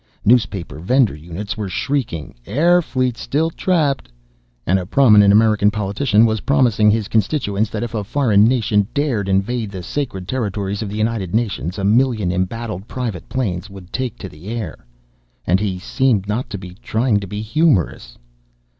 Newspaper vendor units were shrieking, "Air Fleet Still Trapped!" and a prominent American politician was promising his constituents that if a foreign nation dared invade the sacred territories of the United Nations, a million embattled private planes would take the air. And he seemed not even trying to be humorous!